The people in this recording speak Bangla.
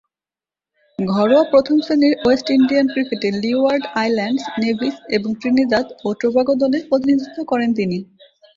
ঘরোয়া প্রথম-শ্রেণীর ওয়েস্ট ইন্ডিয়ান ক্রিকেটে লিওয়ার্ড আইল্যান্ডস, নেভিস এবং ত্রিনিদাদ ও টোবাগো দলের প্রতিনিধিত্ব করেন তিনি।